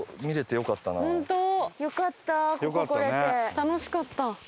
楽しかった。